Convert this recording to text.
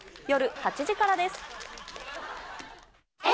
夜８時からです。